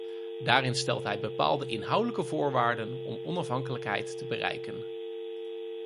Daarin stelt hij bepaalde inhoudelijke voorwaarden om onafhankelijkheid bereiken.